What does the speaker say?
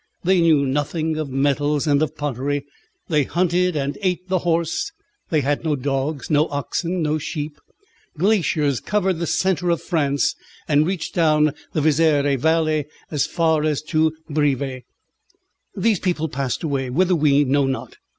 They knew nothing of metals and of pottery. They hunted and ate the horse; they had no dogs, no oxen, no sheep. Glaciers covered the centre of France, and reached down the Vézère valley as far as to Brive. These people passed away, whither we know not.